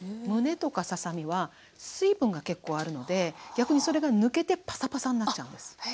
むねとかささ身は水分が結構あるので逆にそれが抜けてパサパサになっちゃうんです。